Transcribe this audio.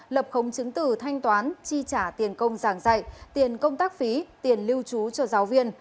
lập khống chứng tử thanh toán chi trả tiền công giảng dạy tiền công tác phí tiền lưu trú cho giáo viên